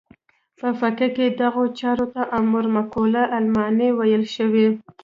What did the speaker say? په فقه کې دغو چارو ته امور معقوله المعنی ویل شوي.